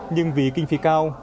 nhưng vì kinh phi cao